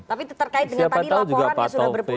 tapi terkait dengan tadi laporan yang sudah berpuluh puluh